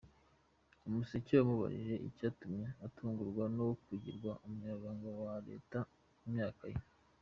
Umuseke wamubajije icyatumye atungurwa no kugirwa Umunyamabanga wa Leta ku myaka ye.